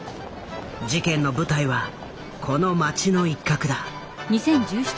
事件の舞台はこの街の一角だ。